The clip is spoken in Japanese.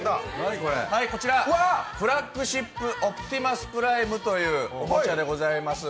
フラッグシップオプティマスプライムというおもちゃでございます。